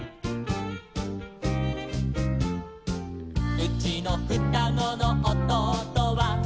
「うちのふたごのおとうとは」